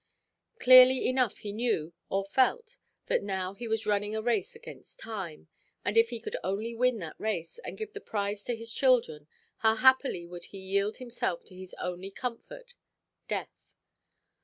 Clearly enough he knew, or felt, that now he was running a race against time; and if he could only win that race, and give the prize to his children, how happily would he yield himself to his only comfort—death.